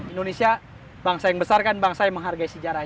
indonesia bangsa yang besar kan bangsa yang menghargai sejarah